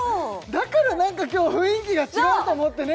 だから何か今日雰囲気が違うと思ってね